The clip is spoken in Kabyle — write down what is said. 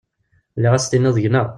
Lliɣ ad s-tiniḍ gneɣ.